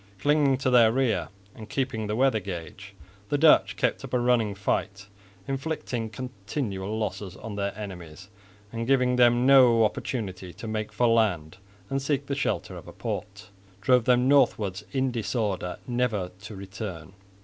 Clinging to their rear and keeping the weather gauge, the Dutch kept up a running fight, inflicting continual losses on their enemies, and, giving them no opportunity to make for land and seek the shelter of a port, drove them northwards in disorder never to return.